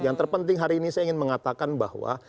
yang terpenting hari ini saya ingin mengatakan bahwa